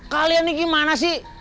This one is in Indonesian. kalian ini gimana sih